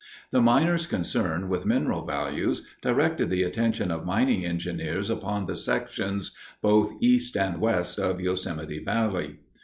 The miners' concern with mineral values directed the attention of mining engineers upon the sections both east and west of Yosemite Valley.